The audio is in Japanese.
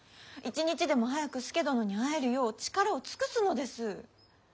一日でも早く佐殿に会えるよう力を尽くすのです。